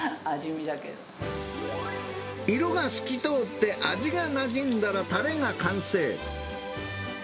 色が透き通って味がなじんだら、たれが完成。